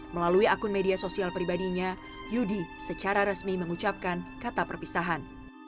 melalui akun media sosial pribadinya yudi secara resmi mengucapkan kata perpisahan